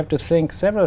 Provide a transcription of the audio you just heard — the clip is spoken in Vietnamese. khoảng tám chín năm